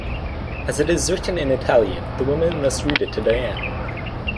As it is written in Italian the woman must read it to Diane.